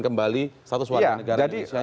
kembali status warga negara indonesia